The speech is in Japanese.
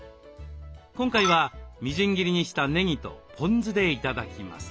今回はみじん切りにしたねぎとポン酢で頂きます。